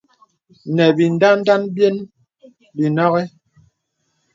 Nə̀ bìndandan byen bə nɔghi.